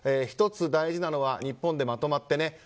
１つ大事なのは日本で、まとまってね